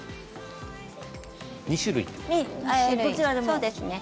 ２種類ですね。